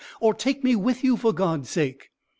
Or take me with you for God's sake!"